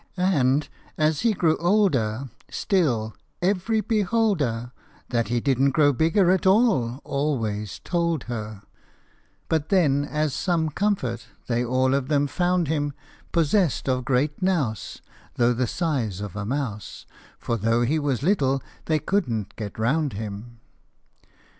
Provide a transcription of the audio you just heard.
And as he grew older Still every beholder That he didn't grow bigger at all always told her ; But then as some comfort they all of them found him Possessed of great nous, Though the size of a mouse For though he was little, they couldn't get round him.